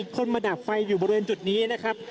คนมาดับไฟอยู่บริเวณจุดนี้นะครับ